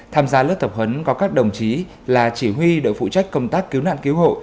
tham gia lớp tập huấn có các đồng chí là chỉ huy đội phụ trách công tác cứu nạn cứu hộ